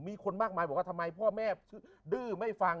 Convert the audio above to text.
มีคนมากมายบอกว่าทำไมพ่อแม่ดื้อไม่ฟัง